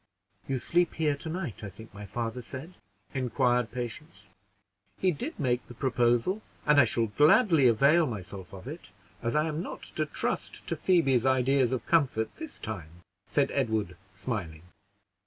"You sleep here to night, I think my father said?" inquired Patience. "He did make the proposal, and I shall gladly avail myself of it, as I am not to trust to Phoebe's ideas of comfort this time," said Edward, smiling.